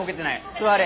座れ。